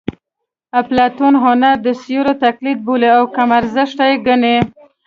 اپلاتون هنر د سیوري تقلید بولي او کم ارزښته یې ګڼي